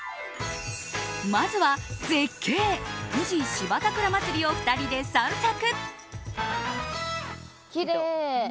まずは絶景富士芝桜まつりを２人で散策。